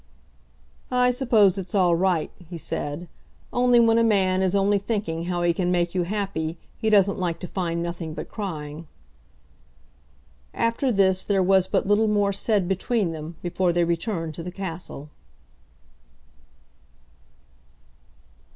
"I suppose it's all right," he said; "only when a man is only thinking how he can make you happy, he doesn't like to find nothing but crying." After this there was but little more said between them before they returned to the castle.